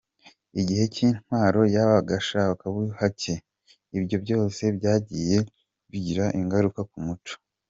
Igihe cy’intwaro ya ba gashakabuhake, ibyo byose byagiye bigira ingaruka ku muco.